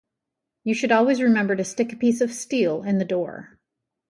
You should always remember to stick a piece of steel in the door.